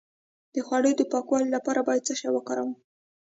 د خوړو د پاکوالي لپاره باید څه شی وکاروم؟